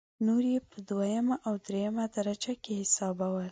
نور یې په دویمه او درېمه درجه کې حسابول.